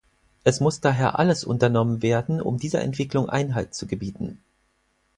Es muss daher alles unternommen werden, um dieser Entwicklung Einhalt zu gebieten.